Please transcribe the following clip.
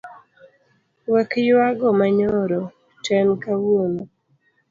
Wek yuago manyoro ten kawuono.